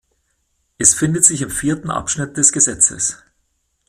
Es findet sich im vierten Abschnitt des Gesetzes.